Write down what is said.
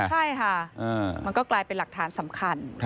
ใช่ค่ะมันก็กลายเป็นหลักฐานสำคัญ